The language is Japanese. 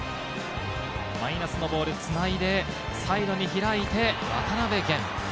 マイナスのボールつないで、サイドに開いて渡辺弦。